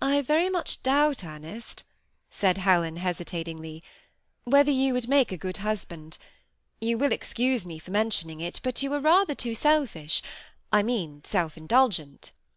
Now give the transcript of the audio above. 345 " I very much doubt, Ernest," said Helen, hesitating ly, " whether you would make a good husband. You will excuse me for mentioning it, but you are rather too selfish, — I mean self indulgent."